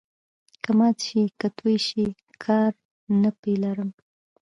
که مات سي که توی سي، کار نه په لرم.